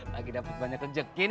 bagi dapet banyak rejek gini